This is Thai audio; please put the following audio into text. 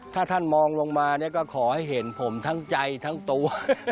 ถ้าท่านมองลงมาเนี่ยก็ขอให้เห็นผมทั้งใจทั้งตัว